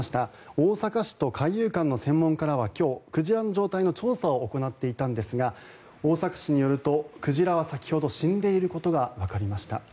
大阪市と海遊館の専門家らは今日鯨の状態の調査を行っていたんですが大阪市によると鯨は先ほど死んでいることがわかりました。